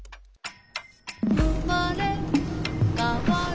「うまれかわる」